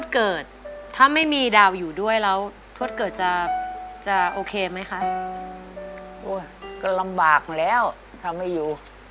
ก็ลำบากเว้ยทำให้อยู่